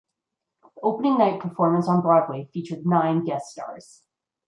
The opening night performance on Broadway featured nine guest stars.